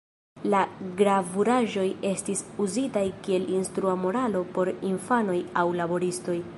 La gravuraĵoj estis uzitaj kiel instrua moralo por infanoj aŭ laboristoj.